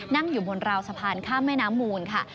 นั่งอยู่บนราวสะพานข้ามแม่น้ำมูลค่ะ